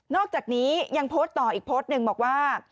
อกจากนี้ยังโพสต์ต่ออีกโพสต์หนึ่งบอกว่า